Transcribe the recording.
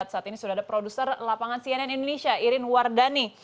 saat ini sudah ada produser lapangan cnn indonesia irin wardani